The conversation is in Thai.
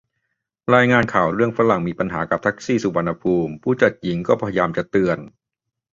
รายงานข่าวเรื่องฝรั่งมีปัญหากับแท็กซี่สุวรรณภูมิ ผู้จัดหญิงก็พยายามจะเตือน